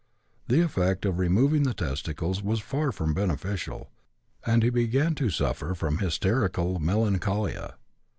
The effect of removing the testicles was far from beneficial, and he began to suffer from hysterical melancholia.